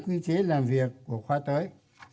quy chế làm việc của khóa tới